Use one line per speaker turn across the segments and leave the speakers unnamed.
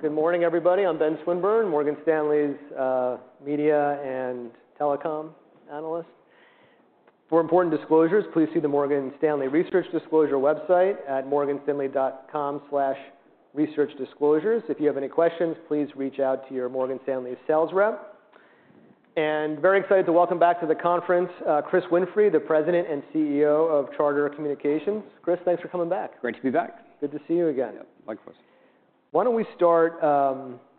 Good morning, everybody. I'm Ben Swinburne, Morgan Stanley's Media and Telecom Analyst. For important disclosures, please see the Morgan Stanley Research Disclosure Website at morganstanley.com/researchdisclosures. If you have any questions, please reach out to your Morgan Stanley sales rep, and very excited to welcome back to the conference Chris Winfrey, the President and CEO of Charter Communications. Chris, thanks for coming back.
Great to be back.
Good to see you again.
Yeah, likewise.
Why don't we start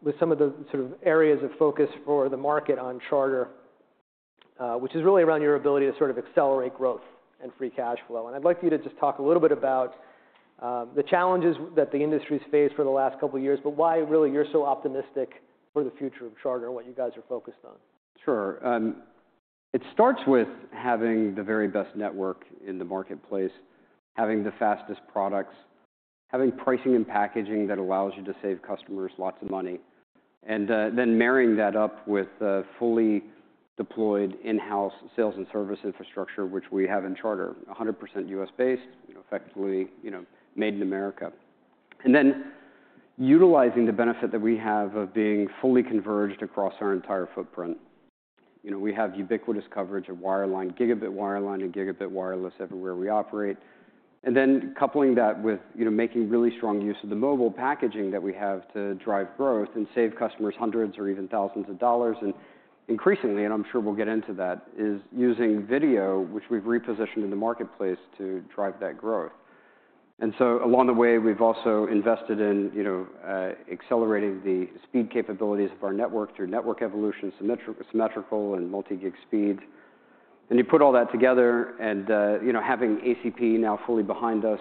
with some of the sort of areas of focus for the market on Charter, which is really around your ability to sort of accelerate growth and free cash flow, and I'd like you to just talk a little bit about the challenges that the industry's faced for the last couple of years, but why really you're so optimistic for the future of Charter and what you guys are focused on.
Sure. It starts with having the very best network in the marketplace, having the fastest products, having pricing and packaging that allows you to save customers lots of money, and then marrying that up with fully deployed in-house sales and service infrastructure, which we have in Charter, 100% U.S.-based, effectively made in America, and then utilizing the benefit that we have of being fully converged across our entire footprint. We have ubiquitous coverage of wireline, gigabit wireline, and gigabit wireless everywhere we operate, and then coupling that with making really strong use of the mobile packaging that we have to drive growth and save customers hundreds or even thousands of dollars, and increasingly, and I'm sure we'll get into that, is using video, which we've repositioned in the marketplace to drive that growth. And so along the way, we've also invested in accelerating the speed capabilities of our network through network evolution, symmetrical and multi-gig speeds. And you put all that together, and having ACP now fully behind us,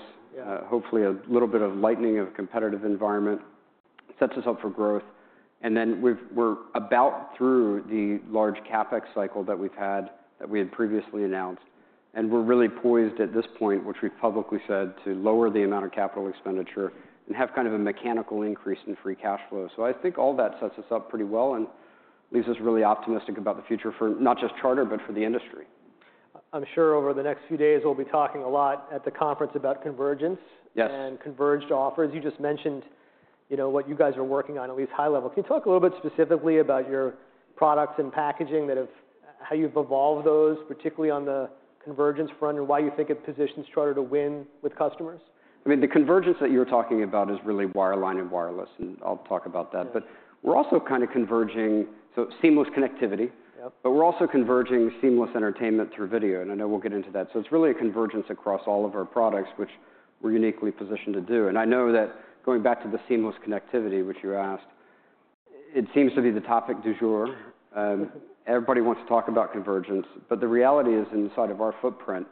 hopefully a little bit of lightening of a competitive environment sets us up for growth. And then we're about through the large CapEx cycle that we've had that we had previously announced. And we're really poised at this point, which we've publicly said, to lower the amount of capital expenditure and have kind of a mechanical increase in free cash flow. So I think all that sets us up pretty well and leaves us really optimistic about the future for not just Charter, but for the industry.
I'm sure over the next few days, we'll be talking a lot at the conference about convergence and converged offers. You just mentioned what you guys are working on at least high level. Can you talk a little bit specifically about your products and packaging, how you've evolved those, particularly on the convergence front, and why you think it positions Charter to win with customers?
I mean, the convergence that you're talking about is really wireline and wireless, and I'll talk about that. But we're also kind of converging, so seamless connectivity, but we're also converging seamless entertainment through video. And I know we'll get into that. So it's really a convergence across all of our products, which we're uniquely positioned to do. And I know that going back to the seamless connectivity, which you asked, it seems to be the topic du jour. Everybody wants to talk about convergence. But the reality is, inside of our footprint,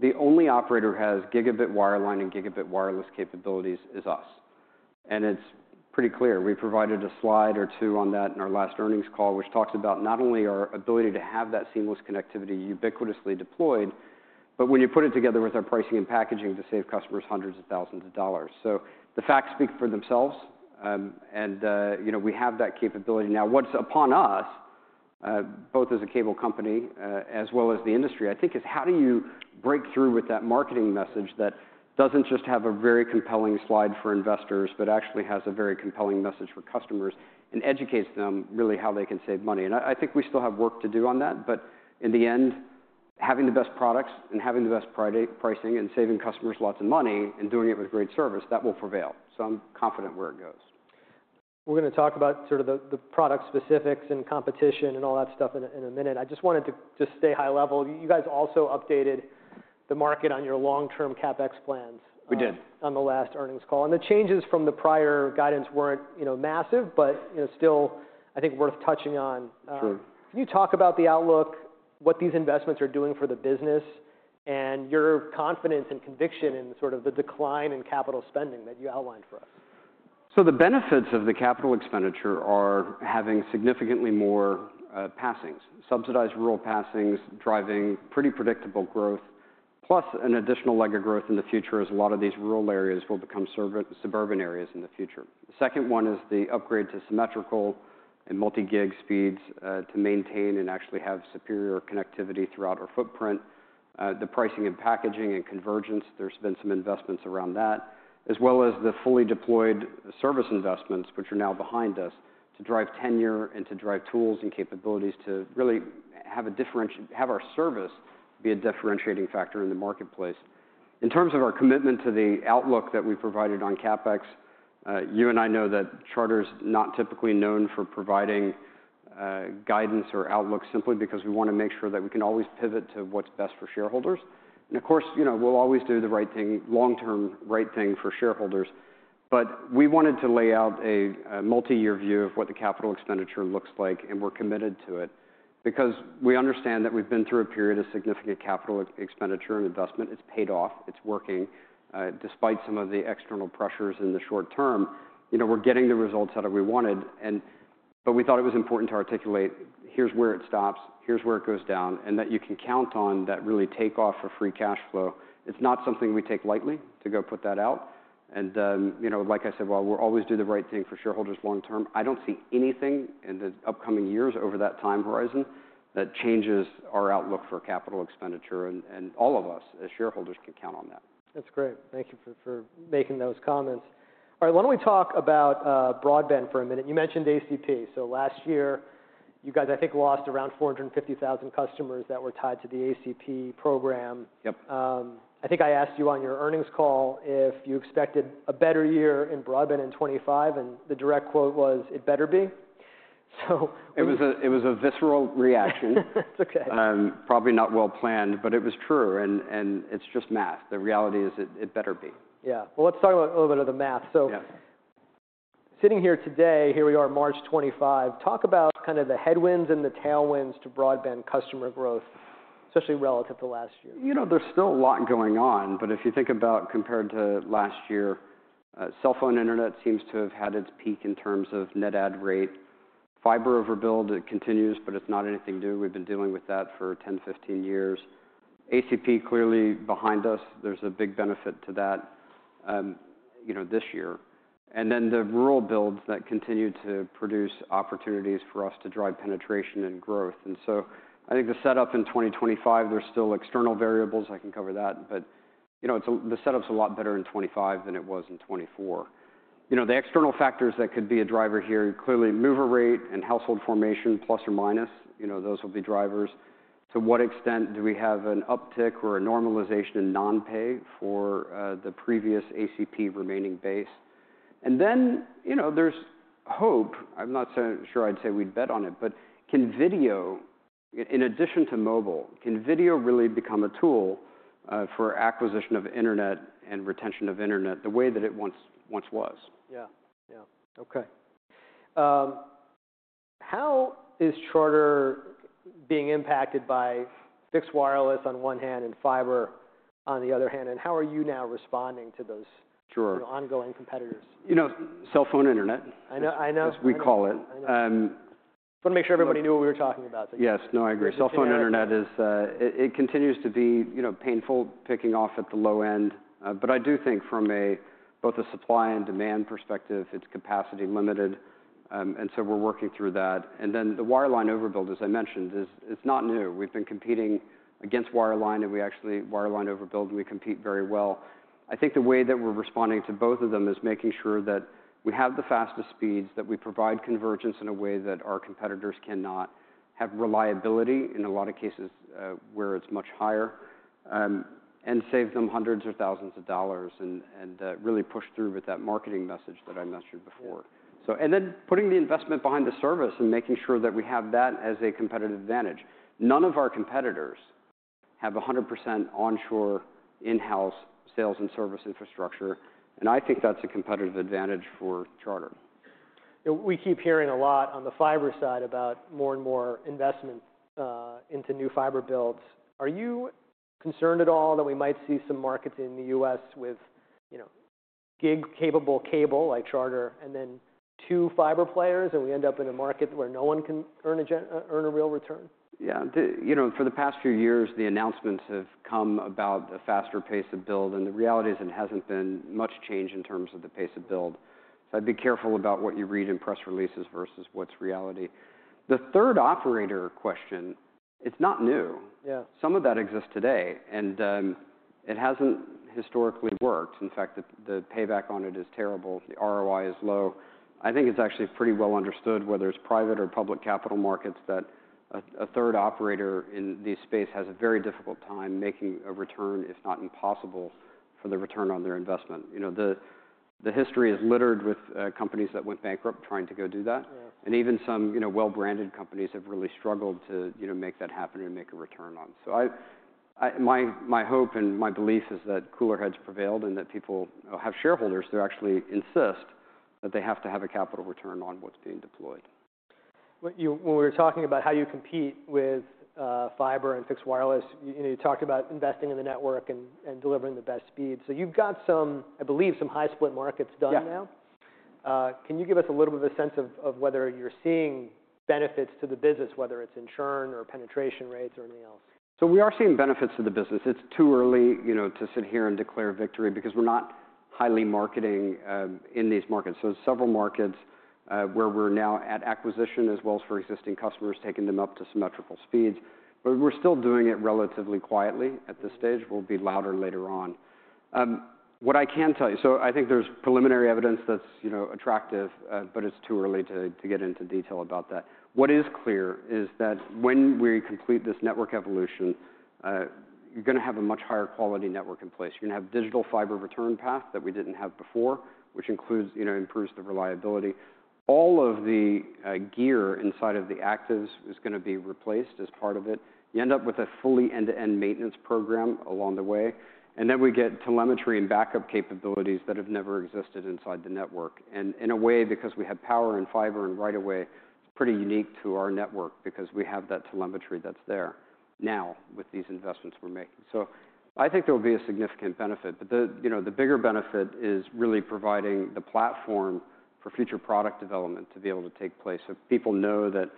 the only operator who has gigabit wireline and gigabit wireless capabilities is us. And it's pretty clear. We provided a slide or two on that in our last earnings call, which talks about not only our ability to have that seamless connectivity ubiquitously deployed, but when you put it together with our pricing and packaging to save customers hundreds of thousands of dollars, so the facts speak for themselves, and we have that capability. Now, what's upon us, both as a cable company as well as the industry, I think, is how do you break through with that marketing message that doesn't just have a very compelling slide for investors, but actually has a very compelling message for customers and educates them really how they can save money? And I think we still have work to do on that, but in the end, having the best products and having the best pricing and saving customers lots of money and doing it with great service, that will prevail. I'm confident where it goes.
We're going to talk about sort of the product specifics and competition and all that stuff in a minute. I just wanted to just stay high level. You guys also updated the market on your long-term CapEx plans.
We did.
On the last earnings call, and the changes from the prior guidance weren't massive, but still, I think, worth touching on.
True.
Can you talk about the outlook, what these investments are doing for the business, and your confidence and conviction in sort of the decline in capital spending that you outlined for us?
So the benefits of the capital expenditure are having significantly more passings, subsidized rural passings, driving pretty predictable growth, plus an additional leg of growth in the future as a lot of these rural areas will become suburban areas in the future. The second one is the upgrade to symmetrical and multi-gig speeds to maintain and actually have superior connectivity throughout our footprint. The pricing and packaging and convergence, there's been some investments around that, as well as the fully deployed service investments, which are now behind us, to drive tenure and to drive tools and capabilities to really have our service be a differentiating factor in the marketplace. In terms of our commitment to the outlook that we've provided on CapEx, you and I know that Charter's not typically known for providing guidance or outlook simply because we want to make sure that we can always pivot to what's best for shareholders. And of course, we'll always do the right thing, long-term right thing for shareholders. But we wanted to lay out a multi-year view of what the capital expenditure looks like, and we're committed to it because we understand that we've been through a period of significant capital expenditure and investment. It's paid off. It's working. Despite some of the external pressures in the short term, we're getting the results that we wanted. But we thought it was important to articulate, here's where it stops, here's where it goes down, and that you can count on that really takeoff for free cash flow. It's not something we take lightly to go put that out. And like I said, while we'll always do the right thing for shareholders long-term, I don't see anything in the upcoming years over that time horizon that changes our outlook for capital expenditure. And all of us as shareholders can count on that.
That's great. Thank you for making those comments. All right, why don't we talk about broadband for a minute? You mentioned ACP. So last year, you guys, I think, lost around 450,000 customers that were tied to the ACP program.
Yep.
I think I asked you on your earnings call if you expected a better year in broadband in 2025, and the direct quote was, "It better be." So.
It was a visceral reaction.
It's OK.
Probably not well planned, but it was true. And it's just math. The reality is, it better be.
Yeah. Well, let's talk a little bit of the math. So sitting here today, here we are, March 2025, talk about kind of the headwinds and the tailwinds to broadband customer growth, especially relative to last year.
You know, there's still a lot going on. But if you think about compared to last year, cell phone internet seems to have had its peak in terms of net add rate. Fiber overbuild continues, but it's not anything new. We've been dealing with that for 10, 15 years. ACP clearly behind us. There's a big benefit to that this year. And then the rural builds that continue to produce opportunities for us to drive penetration and growth. And so I think the setup in 2025, there's still external variables. I can cover that. But the setup's a lot better in 2025 than it was in 2024. The external factors that could be a driver here clearly move-in rate and household formation, plus or minus, those will be drivers. To what extent do we have an uptick or a normalization in non-pay for the previous ACP remaining base? And then there's hope. I'm not sure I'd say we'd bet on it. But can video, in addition to mobile, can video really become a tool for acquisition of internet and retention of internet the way that it once was?
Yeah, yeah. OK. How is Charter being impacted by fixed wireless on one hand and fiber on the other hand? And how are you now responding to those ongoing competitors?
Sure. You know, cell phone internet.
I know.
As we call it.
I want to make sure everybody knew what we were talking about.
Yes, no, I agree. Cell phone internet is; it continues to be painful, picking off at the low end. But I do think from both a supply and demand perspective, its capacity is limited. And so we're working through that. And then the wireline overbuild, as I mentioned, is not new. We've been competing against wireline, and we actually wireline overbuild, and we compete very well. I think the way that we're responding to both of them is making sure that we have the fastest speeds, that we provide convergence in a way that our competitors cannot, have reliability in a lot of cases where it's much higher, and save them hundreds or thousands of dollars and really push through with that marketing message that I mentioned before. And then putting the investment behind the service and making sure that we have that as a competitive advantage. None of our competitors have 100% onshore in-house sales and service infrastructure, and I think that's a competitive advantage for Charter.
We keep hearing a lot on the fiber side about more and more investment into new fiber builds. Are you concerned at all that we might see some markets in the U.S. with gig-capable cable like Charter and then two fiber players, and we end up in a market where no one can earn a real return?
Yeah. For the past few years, the announcements have come about a faster pace of build. And the reality is, it hasn't been much change in terms of the pace of build. So I'd be careful about what you read in press releases versus what's reality. The third operator question, it's not new.
Yeah.
Some of that exists today, and it hasn't historically worked. In fact, the payback on it is terrible. The ROI is low. I think it's actually pretty well understood, whether it's private or public capital markets, that a third operator in the space has a very difficult time making a return, if not impossible, for the return on their investment. The history is littered with companies that went bankrupt trying to go do that, and even some well-branded companies have really struggled to make that happen and make a return on, so my hope and my belief is that cooler heads prevailed and that people have shareholders who actually insist that they have to have a capital return on what's being deployed.
When we were talking about how you compete with fiber and fixed wireless, you talked about investing in the network and delivering the best speed. So you've got some, I believe, some high split markets done now.
Yeah.
Can you give us a little bit of a sense of whether you're seeing benefits to the business, whether it's insurance or penetration rates or anything else?
So we are seeing benefits to the business. It's too early to sit here and declare victory because we're not highly marketing in these markets. So there's several markets where we're now at acquisition, as well as for existing customers, taking them up to symmetrical speeds. But we're still doing it relatively quietly at this stage. We'll be louder later on. What I can tell you, so I think there's preliminary evidence that's attractive, but it's too early to get into detail about that. What is clear is that when we complete this network evolution, you're going to have a much higher quality network in place. You're going to have digital fiber return path that we didn't have before, which improves the reliability. All of the gear inside of the actives is going to be replaced as part of it. You end up with a fully end-to-end maintenance program along the way, and then we get telemetry and backup capabilities that have never existed inside the network, and in a way, because we have power and fiber and right away, it's pretty unique to our network because we have that telemetry that's there now with these investments we're making, so I think there will be a significant benefit, but the bigger benefit is really providing the platform for future product development to be able to take place, so people know that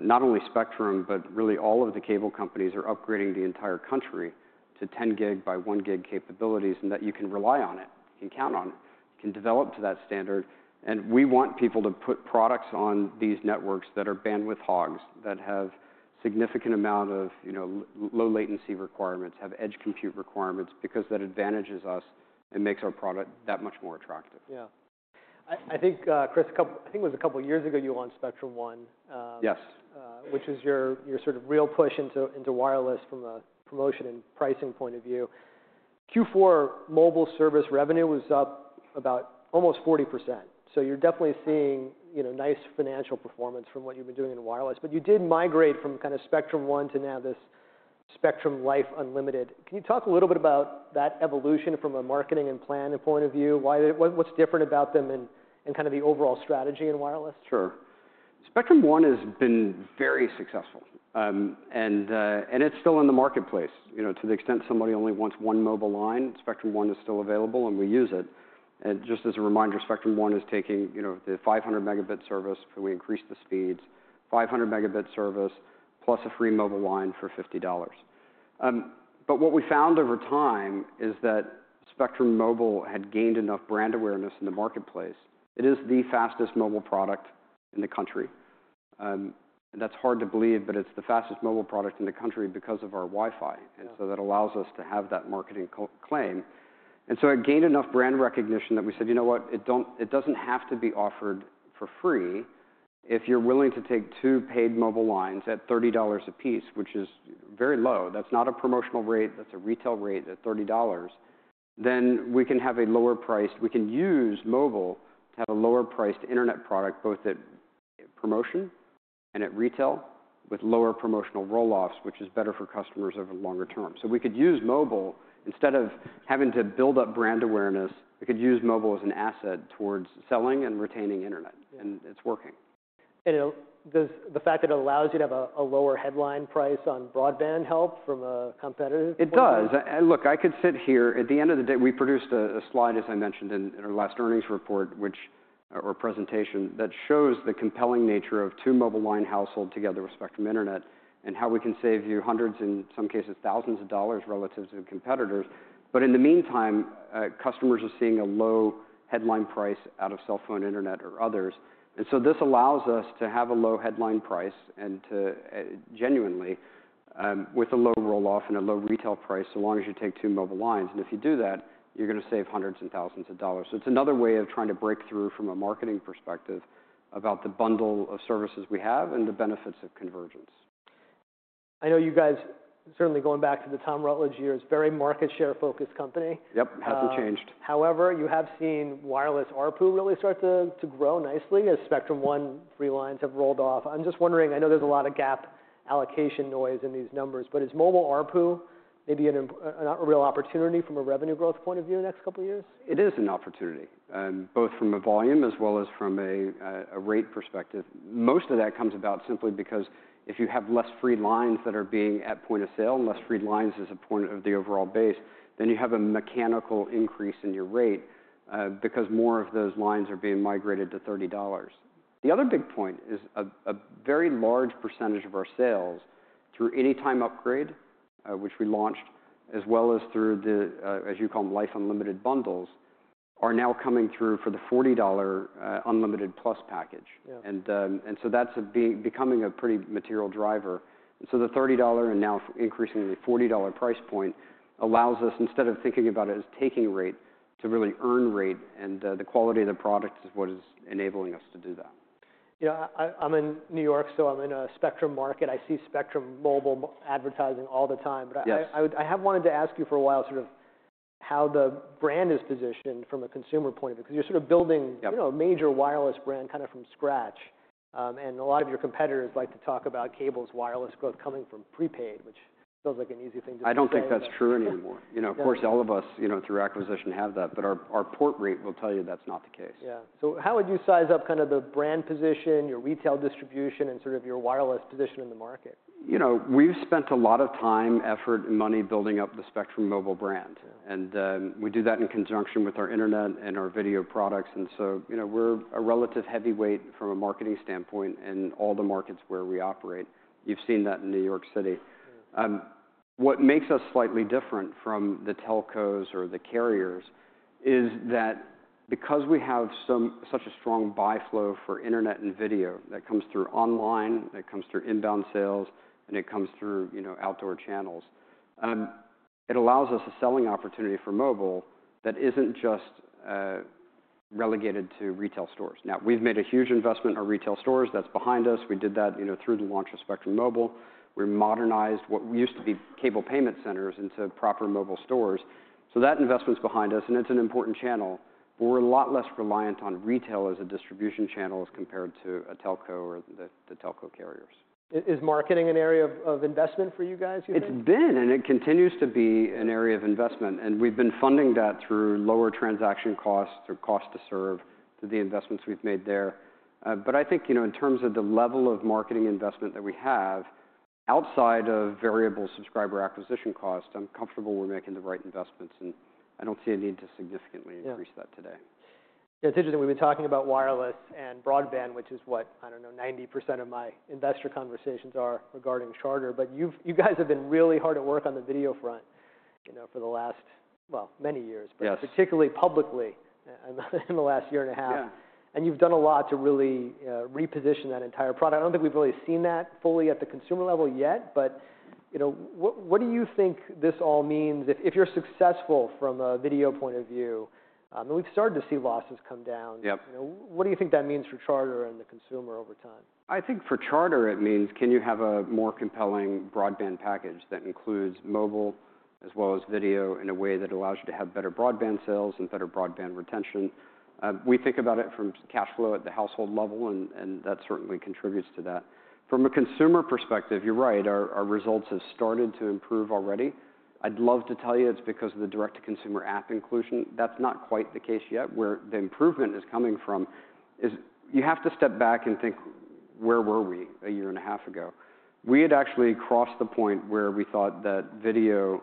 not only Spectrum, but really all of the cable companies are upgrading the entire country to 10 gig by one gig capabilities and that you can rely on it. You can count on it. You can develop to that standard. We want people to put products on these networks that are bandwidth hogs, that have a significant amount of low latency requirements, have edge compute requirements because that advantages us and makes our product that much more attractive.
Yeah. I think, Chris, I think it was a couple of years ago you launched Spectrum One.
Yes.
Which was your sort of real push into wireless from a promotion and pricing point of view. Q4 mobile service revenue was up about almost 40%. So you're definitely seeing nice financial performance from what you've been doing in wireless. But you did migrate from kind of Spectrum One to now this Spectrum Life Unlimited. Can you talk a little bit about that evolution from a marketing and planning point of view? What's different about them and kind of the overall strategy in wireless?
Sure. Spectrum One has been very successful. And it's still in the marketplace. To the extent somebody only wants one mobile line, Spectrum One is still available, and we use it. And just as a reminder, Spectrum One is taking the 500 megabit service, so we increased the speeds, 500 megabit service plus a free mobile line for $50. But what we found over time is that Spectrum Mobile had gained enough brand awareness in the marketplace. It is the fastest mobile product in the country. That's hard to believe, but it's the fastest mobile product in the country because of our Wi-Fi. And so that allows us to have that marketing claim. And so it gained enough brand recognition that we said, you know what? It doesn't have to be offered for free. If you're willing to take two paid mobile lines at $30 apiece, which is very low, that's not a promotional rate, that's a retail rate at $30, then we can have a lower priced. We can use mobile to have a lower-priced internet product, both at promotion and at retail with lower promotional rolloffs, which is better for customers over the longer term, so we could use mobile instead of having to build up brand awareness. We could use mobile as an asset towards selling and retaining internet, and it's working.
The fact that it allows you to have a lower headline price on broadband helps competitively?
It does. Look, I could sit here. At the end of the day, we produced a slide, as I mentioned, in our last earnings report or presentation that shows the compelling nature of two mobile line households together with Spectrum Internet and how we can save you hundreds, in some cases, thousands of dollars relative to competitors. But in the meantime, customers are seeing a low headline price out of cell phone internet or others. And so this allows us to have a low headline price and to genuinely, with a low rolloff and a low retail price, as long as you take two mobile lines. And if you do that, you're going to save hundreds and thousands of dollars. So it's another way of trying to break through from a marketing perspective about the bundle of services we have and the benefits of convergence.
I know you guys, certainly going back to the Tom Rutledge year, it's a very market share-focused company.
Yep, hasn't changed.
However, you have seen wireless ARPU really start to grow nicely as Spectrum One free lines have rolled off. I'm just wondering, I know there's a lot of gap allocation noise in these numbers, but is mobile ARPU maybe a real opportunity from a revenue growth point of view in the next couple of years?
It is an opportunity, both from a volume as well as from a rate perspective. Most of that comes about simply because if you have less free lines that are being at point of sale and less free lines as a point of the overall base, then you have a mechanical increase in your rate because more of those lines are being migrated to $30. The other big point is a very large percentage of our sales through Anytime Upgrade, which we launched, as well as through the, as you call them, Life Unlimited bundles, are now coming through for the $40 Unlimited Plus package, and so that's becoming a pretty material driver, and so the $30 and now increasingly $40 price point allows us, instead of thinking about it as taking rate, to really earn rate. The quality of the product is what is enabling us to do that.
I'm in New York, so I'm in a Spectrum market. I see Spectrum Mobile advertising all the time. But I have wanted to ask you for a while sort of how the brand is positioned from a consumer point of view because you're sort of building a major wireless brand kind of from scratch. And a lot of your competitors like to talk about cable's wireless growth coming from prepaid, which feels like an easy thing to say.
I don't think that's true anymore. Of course, all of us through acquisition have that. But our port rate will tell you that's not the case.
Yeah. So how would you size up kind of the brand position, your retail distribution, and sort of your wireless position in the market?
We've spent a lot of time, effort, and money building up the Spectrum Mobile brand, and we do that in conjunction with our internet and our video products, and so we're a relative heavyweight from a marketing standpoint in all the markets where we operate. You've seen that in New York City. What makes us slightly different from the telcos or the carriers is that because we have such a strong buy flow for internet and video that comes through online, that comes through inbound sales, and it comes through outdoor channels, it allows us a selling opportunity for mobile that isn't just relegated to retail stores. Now, we've made a huge investment in our retail stores. That's behind us. We did that through the launch of Spectrum Mobile. We've modernized what used to be cable payment centers into proper mobile stores, so that investment's behind us. It's an important channel. We're a lot less reliant on retail as a distribution channel as compared to a telco or the telco carriers.
Is marketing an area of investment for you guys?
It's been, and it continues to be an area of investment. And we've been funding that through lower transaction costs or cost to serve to the investments we've made there. But I think in terms of the level of marketing investment that we have outside of variable subscriber acquisition costs, I'm comfortable we're making the right investments. And I don't see a need to significantly increase that today.
Yeah. It's interesting. We've been talking about wireless and broadband, which is what, I don't know, 90% of my investor conversations are regarding Charter. But you guys have been really hard at work on the video front for the last, well, many years, but particularly publicly in the last year and a half. And you've done a lot to really reposition that entire product. I don't think we've really seen that fully at the consumer level yet. But what do you think this all means if you're successful from a video point of view? And we've started to see losses come down. What do you think that means for Charter and the consumer over time?
I think for Charter, it means can you have a more compelling broadband package that includes mobile as well as video in a way that allows you to have better broadband sales and better broadband retention? We think about it from cash flow at the household level, and that certainly contributes to that. From a consumer perspective, you're right. Our results have started to improve already. I'd love to tell you it's because of the direct-to-consumer app inclusion. That's not quite the case yet. Where the improvement is coming from is you have to step back and think, where were we a year and a half ago? We had actually crossed the point where we thought that video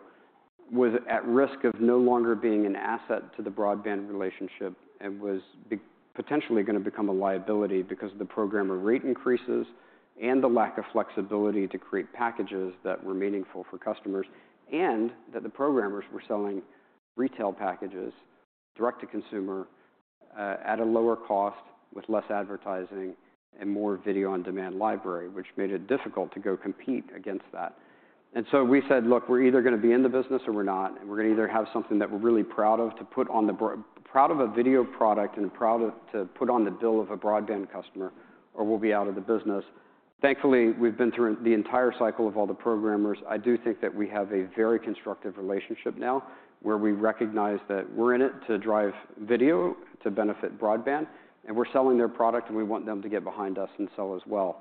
was at risk of no longer being an asset to the broadband relationship and was potentially going to become a liability because of the programmer rate increases and the lack of flexibility to create packages that were meaningful for customers and that the programmers were selling retail packages direct to consumer at a lower cost with less advertising and more video on demand library, which made it difficult to go compete against that, so we said, look, we're either going to be in the business or we're not, and we're going to either have something that we're really proud of, a video product and proud to put on the bill of a broadband customer, or we'll be out of the business. Thankfully, we've been through the entire cycle of all the programmers. I do think that we have a very constructive relationship now where we recognize that we're in it to drive video to benefit broadband, and we're selling their product, and we want them to get behind us and sell as well.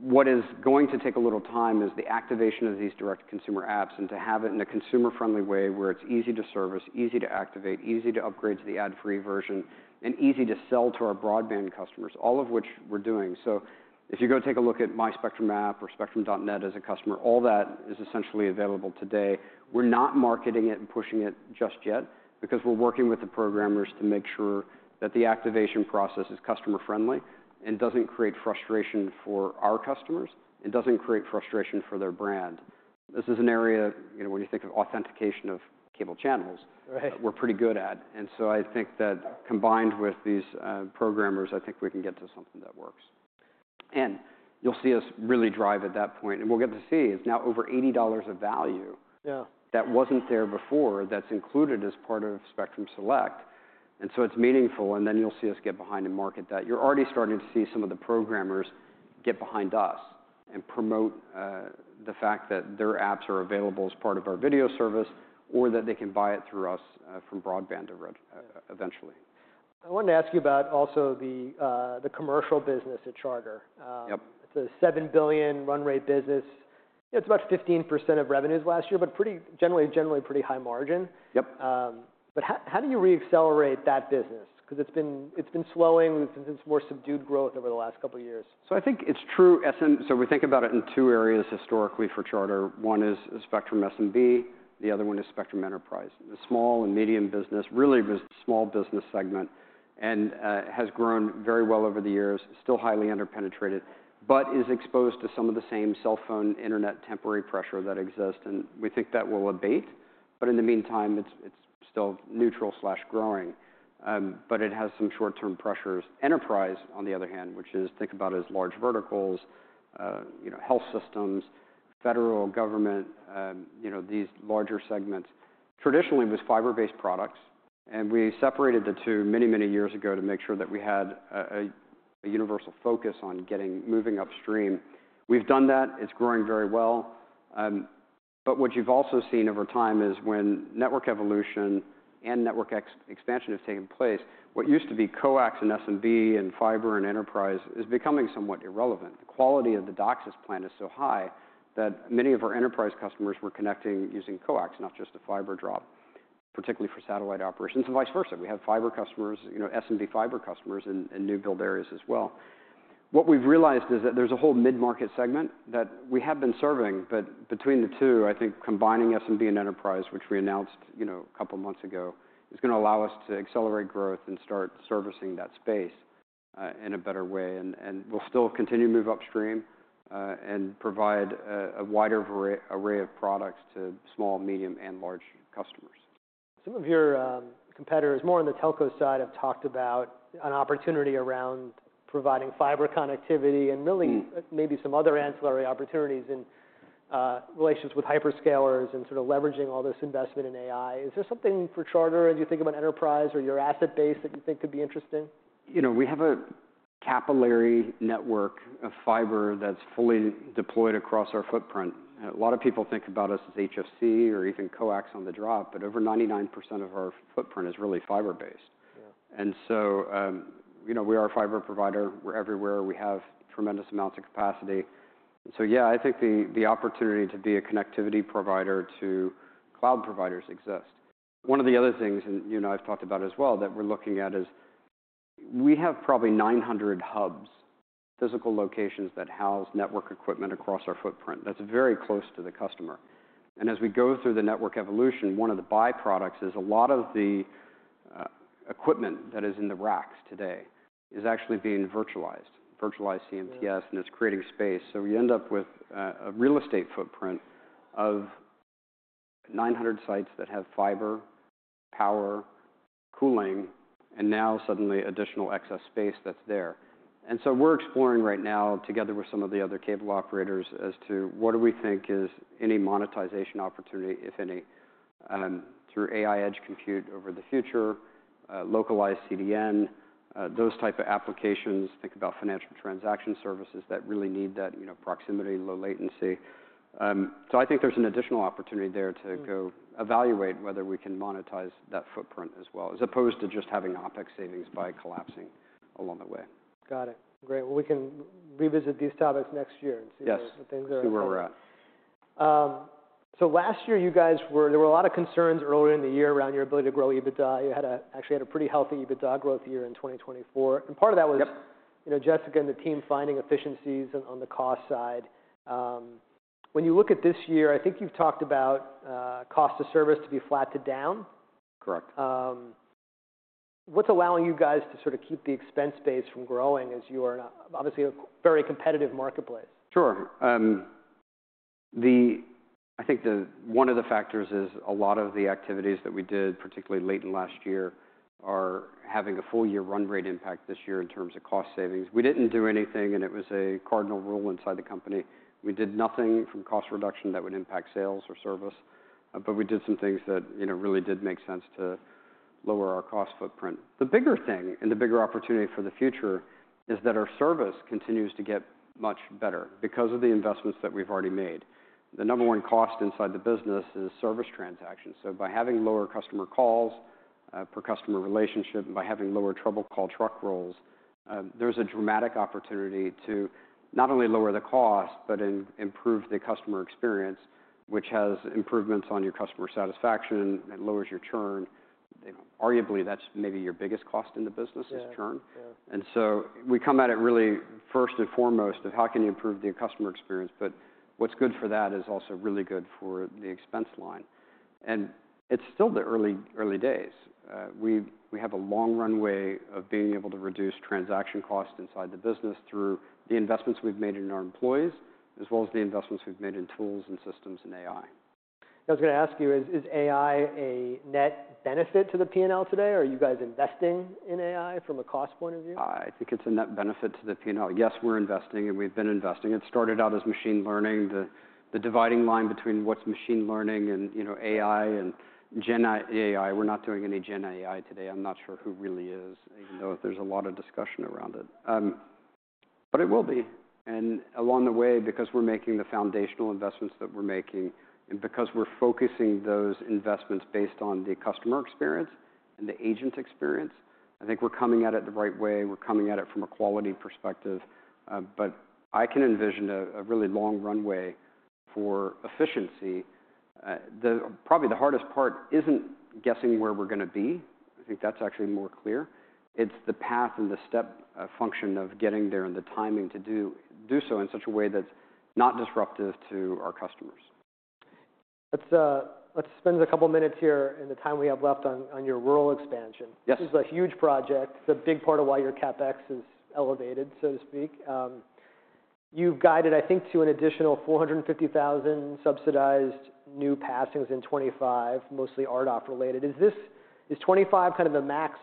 What is going to take a little time is the activation of these direct-to-consumer apps and to have it in a consumer-friendly way where it's easy to service, easy to activate, easy to upgrade to the ad-free version, and easy to sell to our broadband customers, all of which we're doing, so if you go take a look at My Spectrum app or Spectrum.net as a customer, all that is essentially available today. We're not marketing it and pushing it just yet because we're working with the programmers to make sure that the activation process is customer-friendly and doesn't create frustration for our customers and doesn't create frustration for their brand. This is an area where you think of authentication of cable channels that we're pretty good at. And so I think that combined with these programmers, I think we can get to something that works. And you'll see us really drive at that point. And we'll get to see it's now over $80 of value that wasn't there before that's included as part of Spectrum Select. And so it's meaningful. And then you'll see us get behind and market that. You're already starting to see some of the programmers get behind us and promote the fact that their apps are available as part of our video service or that they can buy it through us from broadband eventually.
I wanted to ask you about also the commercial business at Charter. It's a $7 billion run rate business. It's about 15% of revenues last year, but generally a pretty high margin. But how do you reaccelerate that business? Because it's been slowing. There's been some more subdued growth over the last couple of years.
So I think it's true, so we think about it in two areas historically for Charter. One is Spectrum SMB. The other one is Spectrum Enterprise. The small and medium business really was the small business segment and has grown very well over the years, still highly underpenetrated, but is exposed to some of the same cell phone internet temporary pressure that exists, and we think that will abate, but in the meantime, it's still neutral/growing, but it has some short-term pressures. Enterprise, on the other hand, which is think about as large verticals, health systems, federal government, these larger segments. Traditionally, it was fiber-based products, and we separated the two many, many years ago to make sure that we had a universal focus on moving upstream. We've done that. It's growing very well. But what you've also seen over time is when network evolution and network expansion have taken place, what used to be coax and SMB and fiber and enterprise is becoming somewhat irrelevant. The quality of the DOCSIS plant is so high that many of our enterprise customers were connecting using coax, not just a fiber drop, particularly for satellite operations and vice versa. We have fiber customers, SMB fiber customers in new build areas as well. What we've realized is that there's a whole mid-market segment that we have been serving. But between the two, I think combining SMB and enterprise, which we announced a couple of months ago, is going to allow us to accelerate growth and start servicing that space in a better way. And we'll still continue to move upstream and provide a wider array of products to small, medium, and large customers.
Some of your competitors, more on the telco side, have talked about an opportunity around providing fiber connectivity and really maybe some other ancillary opportunities in relations with hyperscalers and sort of leveraging all this investment in AI. Is there something for Charter, as you think about enterprise or your asset base that you think could be interesting?
We have a capillary network of fiber that's fully deployed across our footprint. A lot of people think about us as HFC or even coax on the drop, but over 99% of our footprint is really fiber-based, and so we are a fiber provider. We're everywhere. We have tremendous amounts of capacity, so yeah, I think the opportunity to be a connectivity provider to cloud providers exists. One of the other things I've talked about as well that we're looking at is we have probably 900 hubs, physical locations that house network equipment across our footprint. That's very close to the customer, and as we go through the network evolution, one of the byproducts is a lot of the equipment that is in the racks today is actually being virtualized, virtualized CMTS, and it's creating space. We end up with a real estate footprint of 900 sites that have fiber, power, cooling, and now suddenly additional excess space that's there. We're exploring right now, together with some of the other cable operators, as to what do we think is any monetization opportunity, if any, through AI edge compute over the future, localized CDN, those types of applications. Think about financial transaction services that really need that proximity, low latency. I think there's an additional opportunity there to go evaluate whether we can monetize that footprint as well, as opposed to just having OpEx savings by collapsing along the way.
Got it. Great. Well, we can revisit these topics next year and see where we're at.
Yes. See where we're at.
So last year, you guys, there were a lot of concerns earlier in the year around your ability to grow EBITDA. You actually had a pretty healthy EBITDA growth year in 2024. And part of that was Jessica and the team finding efficiencies on the cost side. When you look at this year, I think you've talked about cost of service to be flat to down.
Correct.
What's allowing you guys to sort of keep the expense base from growing as you are obviously a very competitive marketplace?
Sure. I think one of the factors is a lot of the activities that we did, particularly late in last year, are having a full year run rate impact this year in terms of cost savings. We didn't do anything, and it was a cardinal rule inside the company. We did nothing from cost reduction that would impact sales or service. But we did some things that really did make sense to lower our cost footprint. The bigger thing and the bigger opportunity for the future is that our service continues to get much better because of the investments that we've already made. The number one cost inside the business is service transactions. So by having lower customer calls per customer relationship and by having lower trouble-call truck rolls, there's a dramatic opportunity to not only lower the cost, but improve the customer experience, which has improvements on your customer satisfaction and lowers your churn. Arguably, that's maybe your biggest cost in the business is churn. And so we come at it really first and foremost of how can you improve the customer experience. But what's good for that is also really good for the expense line. And it's still the early days. We have a long runway of being able to reduce transaction costs inside the business through the investments we've made in our employees, as well as the investments we've made in tools and systems and AI.
I was going to ask you, is AI a net benefit to the P&L today? Are you guys investing in AI from a cost point of view?
I think it's a net benefit to the P&L. Yes, we're investing, and we've been investing. It started out as machine learning. The dividing line between what's machine learning and AI and Gen AI, we're not doing any Gen AI today. I'm not sure who really is, even though there's a lot of discussion around it. But it will be. And along the way, because we're making the foundational investments that we're making and because we're focusing those investments based on the customer experience and the agent experience, I think we're coming at it the right way. We're coming at it from a quality perspective. But I can envision a really long runway for efficiency. Probably the hardest part isn't guessing where we're going to be. I think that's actually more clear. It's the path and the step function of getting there and the timing to do so in such a way that's not disruptive to our customers.
Let's spend a couple of minutes here in the time we have left on your rural expansion. This is a huge project. It's a big part of why your CapEx is elevated, so to speak. You've guided, I think, to an additional 450,000 subsidized new passings in 2025, mostly RDOF related. Is 2025 kind of the max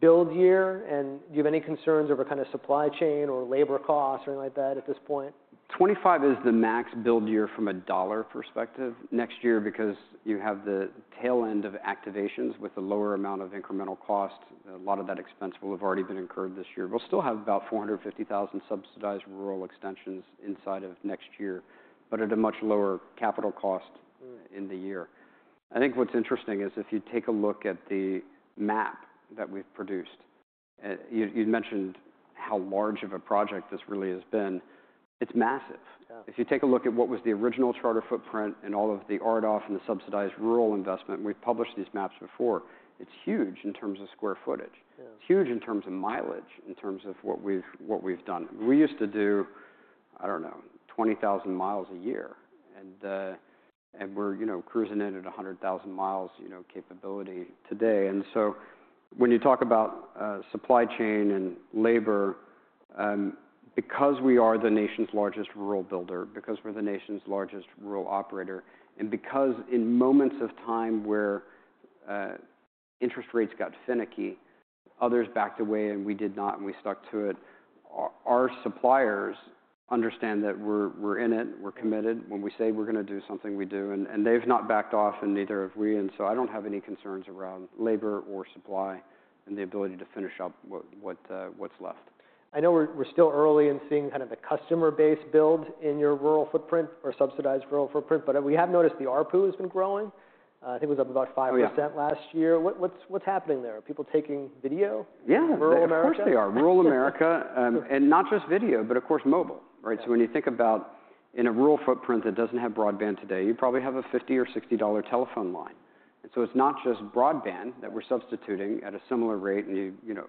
build year? And do you have any concerns over kind of supply chain or labor costs or anything like that at this point?
2025 is the max build year from a dollar perspective next year because you have the tail end of activations with a lower amount of incremental cost. A lot of that expense will have already been incurred this year. We'll still have about 450,000 subsidized rural extensions inside of next year, but at a much lower capital cost in the year. I think what's interesting is if you take a look at the map that we've produced, you mentioned how large of a project this really has been. It's massive. If you take a look at what was the original Charter footprint and all of the RDOF and the subsidized rural investment, we've published these maps before. It's huge in terms of square footage. It's huge in terms of mileage, in terms of what we've done. We used to do, I don't know, 20,000 miles a year. And we're cruising in at 100,000 miles capability today. And so when you talk about supply chain and labor, because we are the nation's largest rural builder, because we're the nation's largest rural operator, and because in moments of time where interest rates got finicky, others backed away, and we did not, and we stuck to it, our suppliers understand that we're in it. We're committed. When we say we're going to do something, we do. And they've not backed off, and neither have we. And so I don't have any concerns around labor or supply and the ability to finish up what's left.
I know we're still early in seeing kind of the customer base build in your rural footprint or subsidized rural footprint. But we have noticed the ARPU has been growing. I think it was up about 5% last year. What's happening there? Are people taking video?
Yeah. Of course they are. Rural America. And not just video, but of course mobile. So when you think about in a rural footprint that doesn't have broadband today, you probably have a $50 or $60 telephone line. And so it's not just broadband that we're substituting at a similar rate and a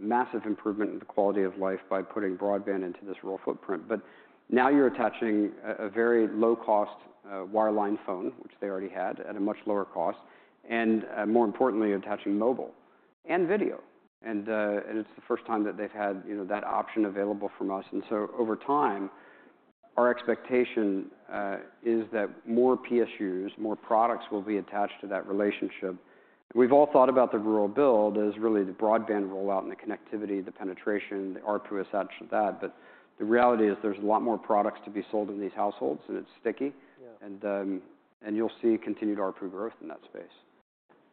massive improvement in the quality of life by putting broadband into this rural footprint. But now you're attaching a very low-cost wireline phone, which they already had at a much lower cost, and more importantly, attaching mobile and video. And it's the first time that they've had that option available from us. And so over time, our expectation is that more PSUs, more products will be attached to that relationship. We've all thought about the rural build as really the broadband rollout and the connectivity, the penetration, the ARPU attached to that. But the reality is there's a lot more products to be sold in these households, and it's sticky. And you'll see continued ARPU growth in that space.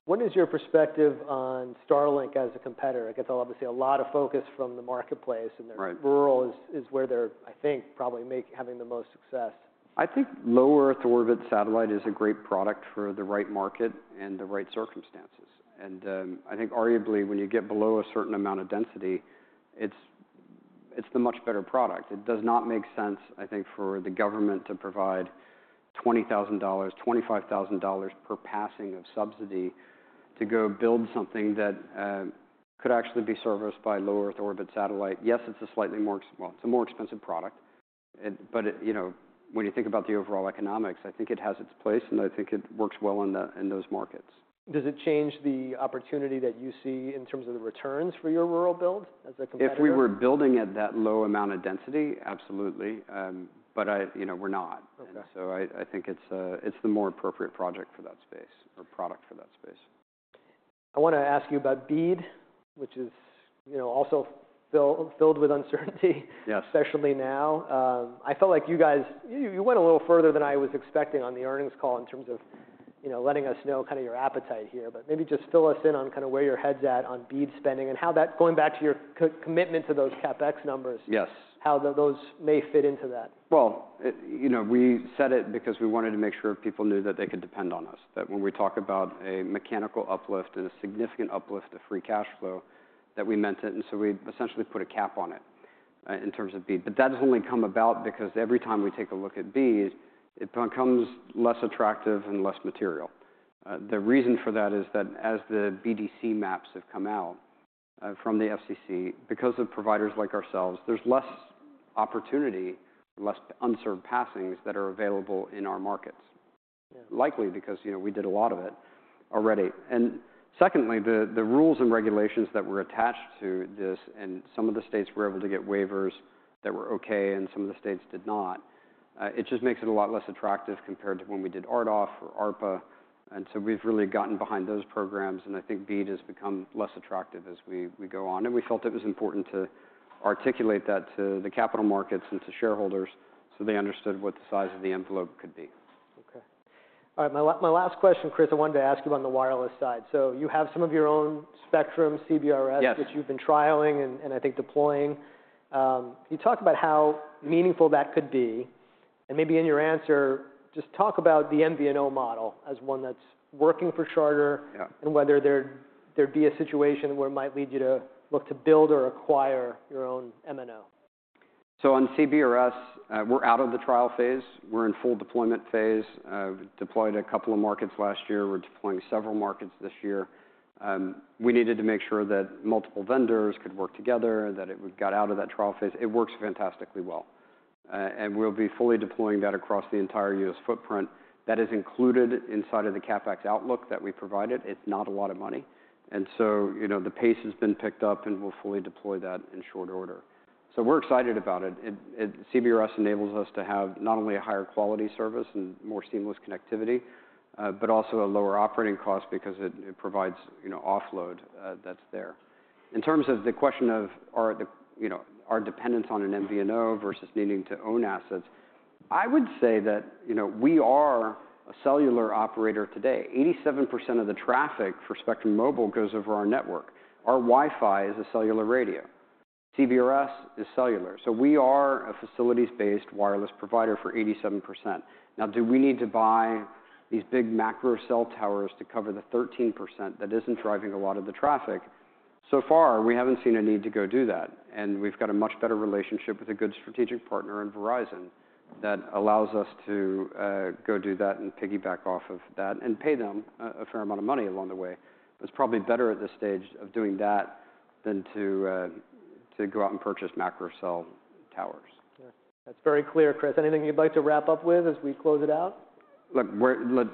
What is your perspective on Starlink as a competitor? I guess I'll obviously see a lot of focus from the marketplace, and rural is where they're, I think, probably having the most success.
I think low Earth orbit satellite is a great product for the right market and the right circumstances, and I think arguably when you get below a certain amount of density, it's the much better product. It does not make sense, I think, for the government to provide $20,000-$25,000 per passing of subsidy to go build something that could actually be serviced by low Earth orbit satellite. Yes, it's a slightly more well, it's a more expensive product, but when you think about the overall economics, I think it has its place, and I think it works well in those markets.
Does it change the opportunity that you see in terms of the returns for your rural build as a competitor?
If we were building at that low amount of density, absolutely. But we're not. And so I think it's the more appropriate project for that space or product for that space.
I want to ask you about BEAD, which is also filled with uncertainty, especially now. I felt like you guys went a little further than I was expecting on the earnings call in terms of letting us know kind of your appetite here, but maybe just fill us in on kind of where your head's at on BEAD spending and how that, going back to your commitment to those CapEx numbers, how those may fit into that.
We said it because we wanted to make sure people knew that they could depend on us, that when we talk about a mechanical uplift and a significant uplift of free cash flow, that we meant it. And so we essentially put a cap on it in terms of BEAD. But that's only come about because every time we take a look at BEAD, it becomes less attractive and less material. The reason for that is that as the BDC maps have come out from the FCC, because of providers like ourselves, there's less opportunity, less unserved passings that are available in our markets, likely because we did a lot of it already. And secondly, the rules and regulations that were attached to this and some of the states were able to get waivers that were OK, and some of the states did not. It just makes it a lot less attractive compared to when we did RDOF or ARPA. And so we've really gotten behind those programs. And I think BEAD has become less attractive as we go on. And we felt it was important to articulate that to the capital markets and to shareholders so they understood what the size of the envelope could be.
OK. All right. My last question, Chris, I wanted to ask you on the wireless side. So you have some of your own spectrum CBRS, which you've been trialing and I think deploying. You talked about how meaningful that could be. And maybe in your answer, just talk about the MVNO model as one that's working for Charter and whether there'd be a situation where it might lead you to look to build or acquire your own MNO.
So on CBRS, we're out of the trial phase. We're in full deployment phase. We deployed a couple of markets last year. We're deploying several markets this year. We needed to make sure that multiple vendors could work together, that it got out of that trial phase. It works fantastically well. And we'll be fully deploying that across the entire U.S. footprint. That is included inside of the CapEx outlook that we provided. It's not a lot of money. And so the pace has been picked up, and we'll fully deploy that in short order. So we're excited about it. CBRS enables us to have not only a higher quality service and more seamless connectivity, but also a lower operating cost because it provides offload that's there. In terms of the question of our dependence on an MVNO versus needing to own assets, I would say that we are a cellular operator today. 87% of the traffic for Spectrum Mobile goes over our network. Our Wi-Fi is a cellular radio. CBRS is cellular. So we are a facilities-based wireless provider for 87%. Now, do we need to buy these big macro cell towers to cover the 13% that isn't driving a lot of the traffic? So far, we haven't seen a need to go do that. And we've got a much better relationship with a good strategic partner in Verizon that allows us to go do that and piggyback off of that and pay them a fair amount of money along the way. But it's probably better at this stage of doing that than to go out and purchase macro cell towers.
That's very clear, Chris. Anything you'd like to wrap up with as we close it out?
Look,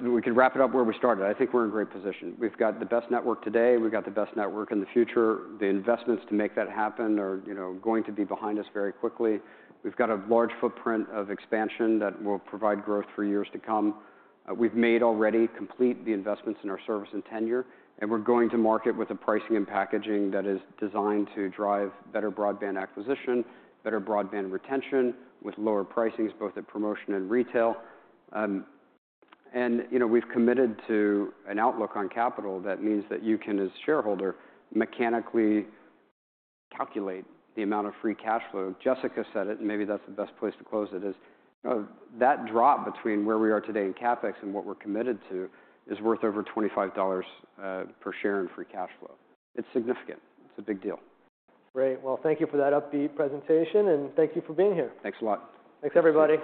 we can wrap it up where we started. I think we're in a great position. We've got the best network today. We've got the best network in the future. The investments to make that happen are going to be behind us very quickly. We've got a large footprint of expansion that will provide growth for years to come. We've already completed the investments in our service and infrastructure. We're going to market with a pricing and packaging that is designed to drive better broadband acquisition, better broadband retention with lower pricings, both at promotion and retail, and we've committed to an outlook on capital that means that you can, as shareholder, mechanically calculate the amount of free cash flow. Jessica said it, and maybe that's the best place to close it, is that drop between where we are today in CapEx and what we're committed to is worth over $25 per share in free cash flow. It's significant. It's a big deal.
Great. Well, thank you for that upbeat presentation, and thank you for being here.
Thanks a lot.
Thanks, everybody.